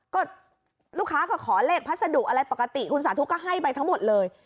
ก็ลูกค้าก็ขอเลขพัสดุอะไรปกติคุณสาธุก็ให้ไปทั้งหมดเลย